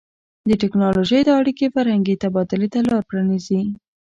د ټیکنالوژۍ دا اړیکې فرهنګي تبادلې ته لار پرانیزي.